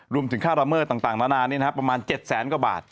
รวมถึงค่าระเมิดต่างนานานประมาณ๗แสนกว่าบาท